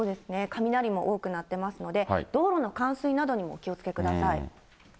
雷も多く鳴ってますので、道路の冠水などにもお気をつけください。